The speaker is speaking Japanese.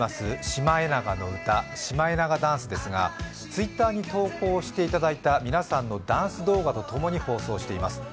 「シマエナガの歌」、シマエナガダンスですがＴｗｉｔｔｅｒに投稿していただいた皆さんのダンス動画とともに放送しています。